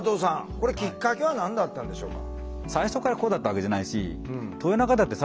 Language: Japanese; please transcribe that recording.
これきっかけは何だったんでしょうか？